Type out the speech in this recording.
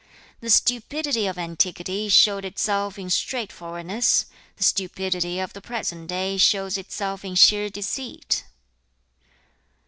The stupidity of antiquity showed itself in straightforwardness; the stupidity of the present day shows itself in sheer deceit.'